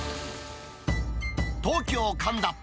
東京・神田。